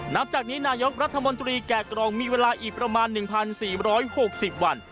นับจากนี้นายกรัฐมนตรีแก่กรองมีเวลาอีกประมาณ๑๔๖๐วัน